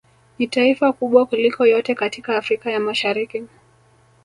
Ni taifa kubwa kuliko yote katika Afrika ya mashariki